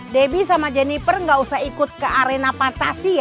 debbie sama jennifer gak usah ikut ke arena pantasi ya